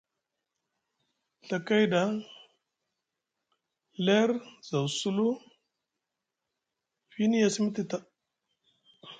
Ɵa kay ɗa, ler zaw sulu, fiini a simiti ta.